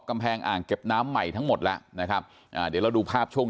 กำแพงอ่างเก็บน้ำใหม่ทั้งหมดแล้วนะครับอ่าเดี๋ยวเราดูภาพช่วง